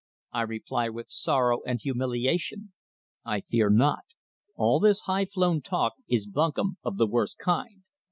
I reply with sorrow and humiliation —/ fear not. All this high flown talk is buncombe of the worst kind.